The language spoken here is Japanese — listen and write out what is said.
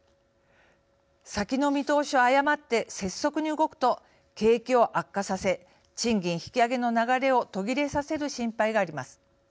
先の見通しを誤って拙速に動くと景気を悪化させ賃金引き上げの流れを途切れさせる心配があります。